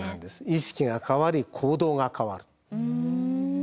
意識が変わり行動が変わる。